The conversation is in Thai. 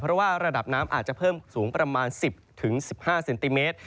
เพราะว่าระดับน้ำอาจจะเพิ่มสูงประมาณ๑๐๑๕เซนติเมตร